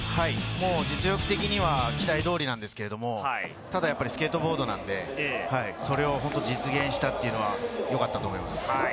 実力的には期待通りなんですけれども、ただスケートボードなので、それを実現したっていうのはよかったと思います。